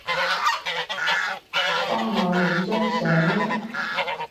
幫我影張吖